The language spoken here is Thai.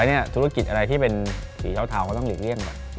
อะไรที่เป็นศรีเวทเทาต้องหลีกเลี่ยงก่อน